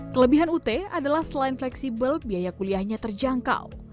kelebihan ut adalah selain fleksibel biaya kuliahnya terjangkau